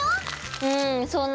うんそんな感じ。